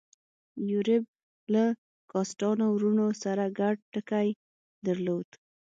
یوریب له کاسټانو وروڼو سره ګډ ټکی درلود.